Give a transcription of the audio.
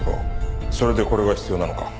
それでこれが必要なのか。